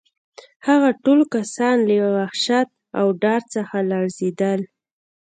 هغه ټول کسان له وحشت او ډار څخه لړزېدل